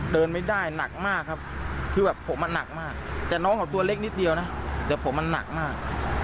เดินไม่ได้หนักมากครับคือแบบผมมันหนักมากแต่น้องเขาตัวเล็กนิดเดียวนะแต่ผมมันหนักมาก